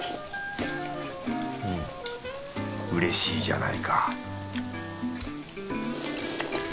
うれしいじゃないか